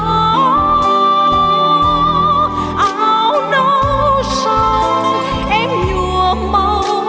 áo nấu sông em nhuộm màu nắng phương